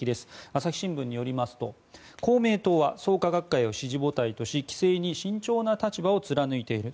朝日新聞によりますと公明党は創価学会を支持母体とし規制に慎重な立場を貫いている。